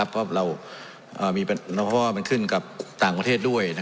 เพราะมันขึ้นกับต่างประเทศด้วย